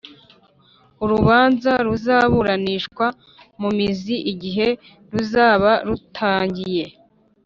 Urubanza ruzaburanishwa mu mizi igihe ruzaba rutangiye